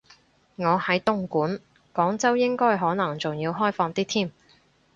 我喺東莞，廣州應該可能仲要開放啲添